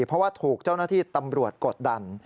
เพราะว่าถูกเจ้าหน้าที่ตำรวจกดดัน